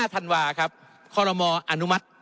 ๒๕ธันวาค์ครับคออนุมัติ